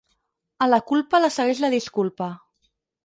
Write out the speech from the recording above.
A la culpa la segueix la disculpa.